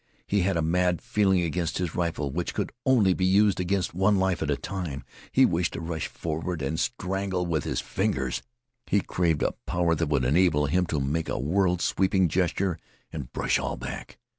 He had a mad feeling against his rifle, which could only be used against one life at a time. He wished to rush forward and strangle with his fingers. He craved a power that would enable him to make a world sweeping gesture and brush all back.